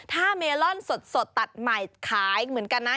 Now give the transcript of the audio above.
ถ้าเมลอนสดตัดใหม่ขายเหมือนกันนะ